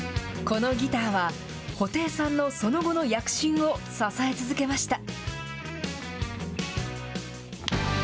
このギターは、布袋さんのその後の躍進を支え続けました。